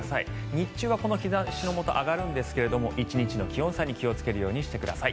日中は、この日差しのもと上がるんですが１日の気温差に気をつけるようにしてください。